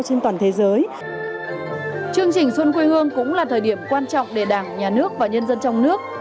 chương trình xuân quê hương cũng là thời điểm quan trọng để đảng nhà nước và nhân dân trong nước